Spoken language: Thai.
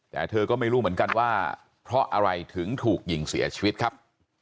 แต่เธอก็ไม่รู้เหมือนกันว่าเพราะอะไรถึงถูกยิงเสียชีวิตครับ